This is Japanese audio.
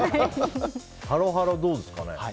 ハロハロ、どうですかね。